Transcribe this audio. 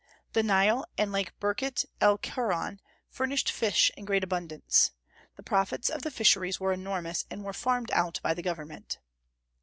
The Nile and Lake Birket el Keroun furnished fish in great abundance. The profits of the fisheries were enormous, and were farmed out by the government.